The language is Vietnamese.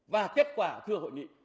và kết quả thưa hội nghị